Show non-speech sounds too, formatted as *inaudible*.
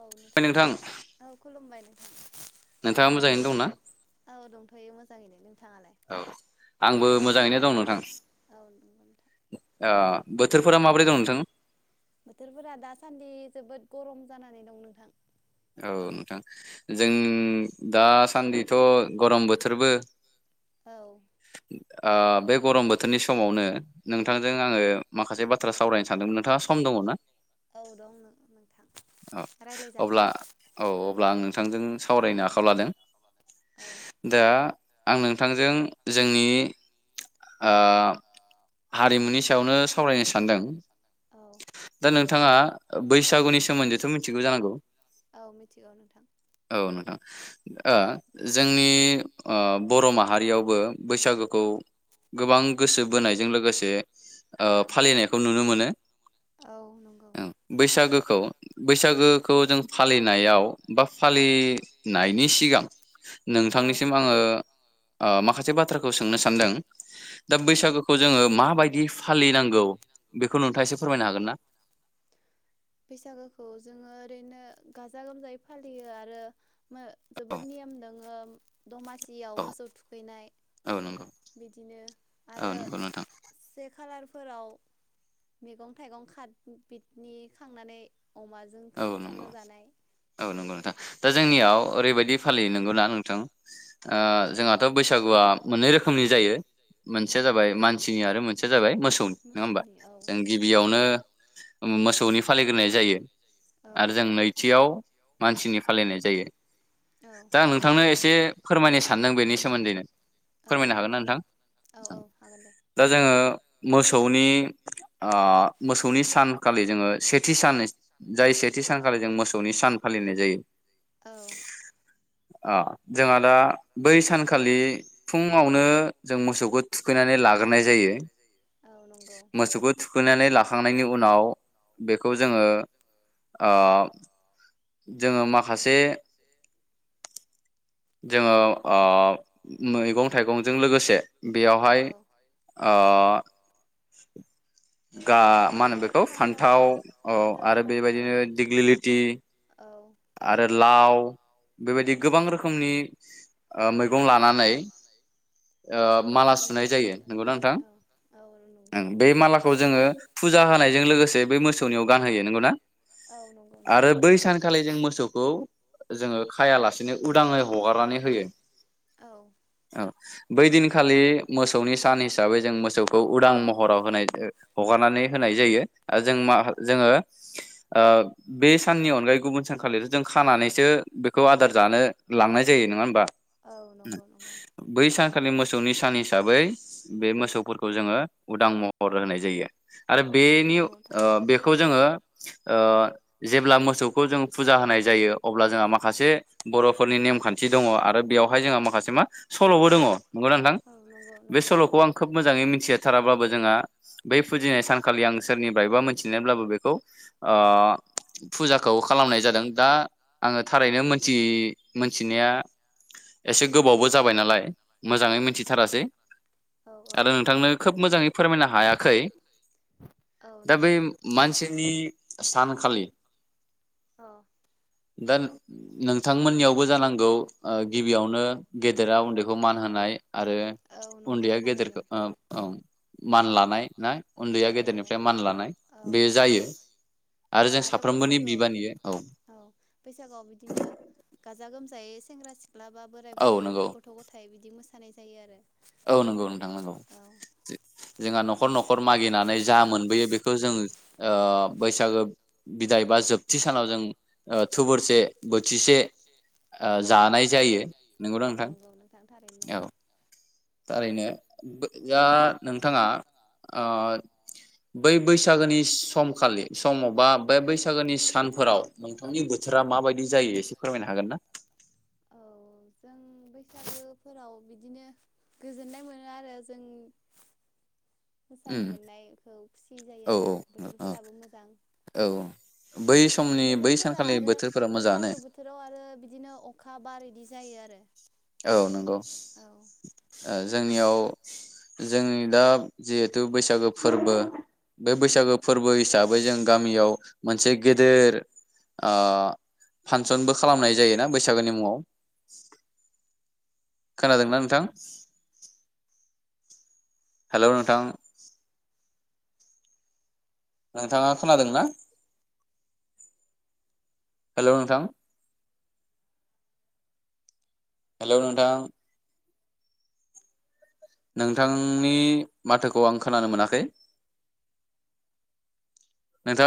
औ नोंथां औ खुलुमबाय नों नोंथाङा मोजाङैनो दंना? औ दंथ'यो मोजाङै नों औ आंबो मोजाङैनो दं नोंथां औ नंगौ नोंथां ओ। बोथोरफोरा माबोरै दं नोंथां? बोथोरफोरा दासान्दि जोबोद गरम जानानै दं नोंथां। औ नोंथां जों दासान्दिथ' गरम बोथोरबो औ। ओ बे गरम बोथोरनि समावनो नोंथांजों आङो माखासे बाथ्रा सावरायनो सानदोंमोन नोंथाङा सम दङ ना? औ दं नोंथां। औ रायलायजागोन अब्ला औ अब्ला आं नोंथांजों सावरायनो आखायाव लादों औ दा आं नोंथांजों जोंनि ओ हारिमुनि सायावनो सावरायनो सानदों औ दा नों बिथाङा ओब बैसागुनि सोमोन्दैथ' मिथिगौ जानांगौ औ मिथिगौ नोंथां औ नोंथां। ओ जोंनि ओ बर' माहारियावबो बैसागुखौ गोबां गोसो बोनाय ओ फालिनायखौ नुनो मोनो। औ नंगौ बैसागोखौ बैसागोखौ जों फालिनायाव बा फालिनायनि सिगां औ नोंथांनिसिम आङो ओ माखासे मोनसे बाथ्राखौ सोंनो सानदों दा औ बैसागो जोङो मााबायदि फालिनांगौ बेखौ नोंथाङा एसे फोरमायनो हागोन ना? बैसागोखौ जोङो ओरैनो गाजा गोमजायै फालियो आरो औ जोबोद नियम दोङो *unintelligible* दमासियाव मोसौ औ थुखैनाय औ नंगौ बिदिनो औ आरो नंगौ नोंथां से कालार फोराव मैगं-थाइगं खार बिनि खांनानै। औ नंगौ जानाय दा औ नंगौ नोंथां। दा जोंनियाव ओरैबायदि फालियो नंगौना न थां। ओ नोंथां औ जोंहाथ' बैसागुआ मोननै रोखोमनि जायो मोनसेया जाबाय मानसिनि आरो मोनसेया जाबाय मोसौनि नङा होमबा आरो जों मोनसे मोसौनि औ नंगौ गिबियावनो मोसौनि फालिग्रोनाय जायो। औ आरो जों नैथियाव मानसिनि फालिनाय जायो। औ दा नोंथांनो एसे एसे फोरमायनो सानदों बेनि सोमोन्दैनो। औ फोरमायनो दे हागोन ना नोंथां फोरमाय औ औ हागोन दे दा जोङो मोसौनि ओ मोसौनि सानखालि जोङो सेथि सान जाय सेथि सानखालि जों मोसौनि सान फालिनाय जायो। औ अ जोंहा दा बै सानखालि फुङावनो जों मोसौखौ थुखैनानै लाग्रोनाय जायो। औ नंगौ मोसौखौ थुखैनानै लाखां नायनि उनाव बेखौ जोङो आ जोंङो मा सासे जोङो ओ मैगं थाइगंजों लोगोसे *unintelligible* बेयावहाय औ ओ *unintelligible* गा मा होनो बेखौ फान्थाव औ फान्थाव आरो पानिलाव बेबायदिनो दिग्लिलिति औ गोबां आरो लाव बेबायदि गोबां रोखोमनि ओ मैगं लानानै ओ मोसौखौ माला थुखैनाय सुनाय जायो आरो नंगौना नोंथां औ औ नंगौ ओं बे मालाखौ जोङो फुजा होनायजों लोगोसे जे बे मोसौनियाव गान होयो नंगौना औ नंगौ नंगौ आरो बै सान खालि जों मोसौखौ जोङो खायालासे उदाङै हगारनानै होयो औ औ बै दिनखालि मोसौनि सान हिसाबै जों मोसौखौ उदां महराव होनाय हगारनानै होनाय जायो आरो जों मा जोङो ओ‌ बे साननि अनगायै गुबुन सानखालिथ' जों खानानैसो बेखौ आदार जानो लांनाय जायो नङा होनबा औ नंगौ नंगौ बै सानखालि मोसौनि सानि हिसाबै बे मोसौफोरखौ जोङो उदां महर होनाय जायो। आरो औ बेनि ओ नंगौ थारैनो बेखौ जोङो ओ जेब्ला मोसौ खौ जों फुजा होनाय जायो अब्ला जोंहा माखासे बर'फोरनि नेमखान्थि दङ' आरो बेवहाय जोंहा माखासे मा सल'बो दङ'। नंगौना नोंथां औ नंगौ बे नंगौ सल'खौ नोंथां आं खोब मोजाङै मिथिया थाराब्लाबो जोंहा बै फुजिनाय सानखालि आं सोरनिफ्रायबा मिथिनानैबो बेखौ फुजा। खौ खालामनाय जादों दा आङो थारैनो मोन्थि मोनथिनाया एसे गोबावबो जाबाय नालाय औ मोजाङै मिथिथारासै औ औ आरो नोंथांनो खोब मोजाङै फोरमायनो हायाखै औ दा बे नोंथां मानसिनि सानखालि औ दा नोंथांमोननियावबो जानांगौ ओ गिबियावनो गेदेरा उन्दैखौ मान होनाय आरो औ नंगौ उन्दैया थारैनो गेदेरखो ओ औ। मान लानाय ना उन्दैया औ गेदेरनिफ्राय मान लानाय। औ बे जायो आरो जों साफ्रोमबोनि बि *unintelligible* औ बैसागआव बिदिनो गाजा गोमजायै सेंग्रा सि ला बा बोराय बुरै औ नंगौ गथ' गथाय बिद बिदि मोसानाय जायो आरो औ नंगौ नोंथां नंगौ। औ जोंहा न'खर न'खर मागिनानै जा मोनबोयो बेखौ जों अ बैसागो बिदाय बा जोबथि सानाव जों ओ थुबोरसे बोथिसे ओ औ जानाय जायो नंगौना औ नोंथां नंगौ नोंथां थारैनो नंगौ। औ थारैनो बो दा नोंथाङा अ बै बैसागोनि सम खालि सम बा बे बैसागोनि सानफोराव नोंथांनि बोथोरा माबायदि जायो एसे फोरमायनो हागोन ना। औ जों बैसागोफोराव बिदिनो गोजोननाय मोनो आरो जों मोसानो उम मोननायखौ खुसि जायो औ आरो औ बोथोरफोराबो मोजां औ औ बै समनि बै बोथोरफोरा सानखालि आरो बोथोरफोरा मोजाङानो बैसागो बोथोराव आरो बिदिनो अखा बार इदि जायो आरो औ नंगौ औ ओ जोंनियाव जोंनि दा जिहेथु बैसागो फोरबो बे बैसागो फोरबो हिसाबै जों गामियाव मोनसे गेदेर ओ फांसनबो खालामनाय जायोना बैसागोनि मुङाव खोनादोंना नोंथां हेल' नोंथां नोंथाङा खोनादोंना हेल' नोंथां हेल' नोथां नोंथांनि माथोखौ आं खोनानो मोनाखै